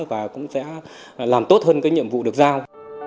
và cũng sẽ làm tốt hơn cái nhiệm vụ được giao